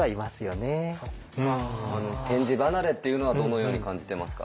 点字離れっていうのはどのように感じてますか？